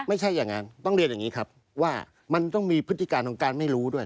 ไม่ใช่อย่างนั้นต้องเรียนอย่างนี้ครับว่ามันต้องมีพฤติการของการไม่รู้ด้วย